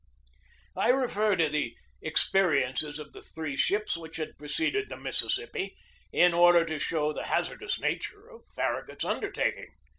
I refer to the experiences of the three ships which had preceded the Mississippi in order to show the hazardous nature of Farragut's undertaking.